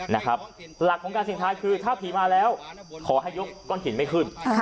หลักของการเสี่ยงทายคือถ้าผีมาแล้วขอให้ยกก้อนหินไม่ขึ้น